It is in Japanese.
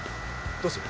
どうする？